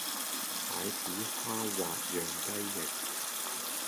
蟹籽蝦滑釀雞翼